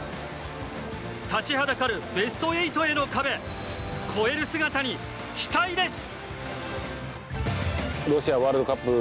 立ちはだかるベスト８への壁越える姿に期待です。